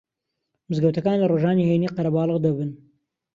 مزگەوتەکان لە ڕۆژانی هەینی قەرەباڵغ دەبن